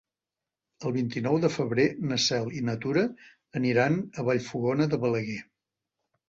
El vint-i-nou de febrer na Cel i na Tura aniran a Vallfogona de Balaguer.